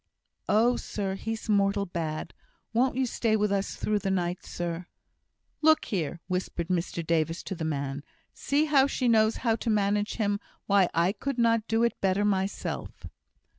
"Oh, sir! he's mortal bad! won't you stay with us through the night, sir?" "Look there!" whispered Mr Davis to the man, "see how she knows how to manage him! Why, I could not do it better myself!"